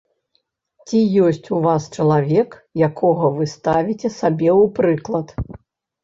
Ці ёсць у вас чалавек, якога вы ставіце сабе ў прыклад?